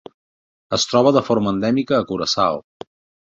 Es troba de forma endèmica a Curaçao.